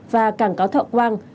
và cảng cáo thọ quang